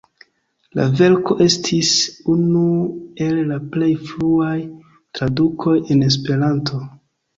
La verko estis unu el la plej fruaj tradukoj en Esperanto.